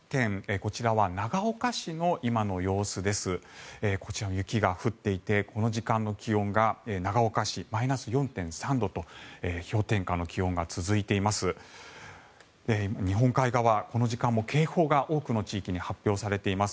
こちらも雪が降っていてこの時間の気温が長岡市、マイナス４．３度と氷点下の気温が続いています。